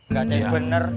gak ada yang bener